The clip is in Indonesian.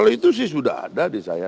kalau itu sih sudah ada di saya